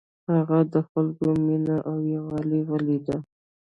هغه د خلکو مینه او یووالی ولید.